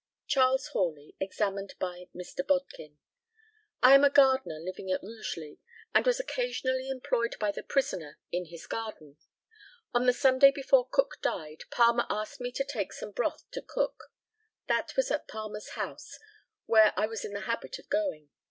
CHARLES HORLEY, examined by Mr. BODKIN. I am a gardener living at Rugeley, and was occasionally employed by the prisoner in his garden. On the Sunday before Cook died, Palmer asked me to take some broth to Cook. That was at Palmer's house, where I was in the habit of going.